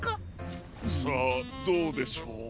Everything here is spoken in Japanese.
さあどうでしょう？